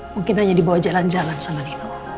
mungkin hanya dibawa jalan jalan sama nino